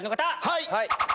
はい！